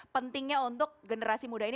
pentingnya untuk generasi muda ini